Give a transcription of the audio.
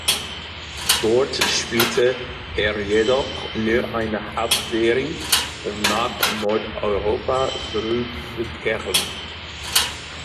Dort spielte er jedoch nur eine Halbserie, um nach Nordeuropa zurückzukehren.